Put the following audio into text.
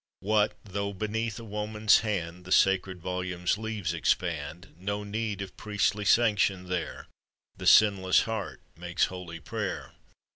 What though beneath a woman's hand The sacred volume's leaves expand, No need of priestly sanction there, The sinless heart makes holy prayer!